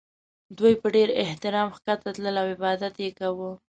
دوی په ډېر احترام ښکته تلل او عبادت یې کاوه.